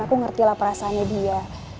aku ngerti lah perasaannya dia